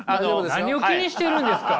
何を気にしているんですか？